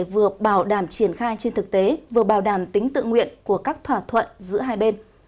tuy nhiên cũng cần có quy định cụ thể vừa bảo đảm triển khai trên thực tế vừa bảo đảm tính tự nguyện của các thỏa thuận giữa hai bên